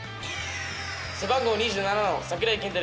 背番号２７の櫻井健太です。